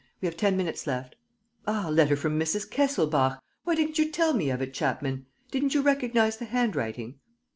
We have ten minutes left. Ah, a letter from Mrs. Kesselbach! Why didn't you tell me of it, Chapman? Didn't you recognize the handwriting?"